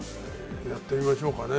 やってみましょうかね。